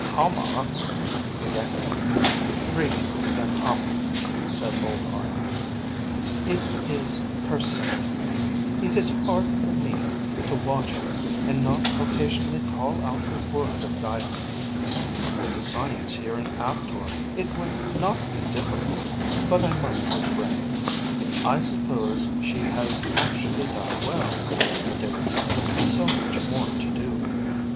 "Hama...?" began Iimmi. "Greater than Hama," said old Argo. "It is herself. It is hard for me to watch her and not occasionally call out a word of guidance. With the science here in Aptor it would not be difficult. But I must refrain. I suppose she has actually done well. But there is so much more to do.